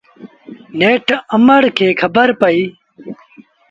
نيٺ اُمر کي کبر پئيٚ۔